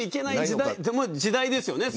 でも、時代ですよね。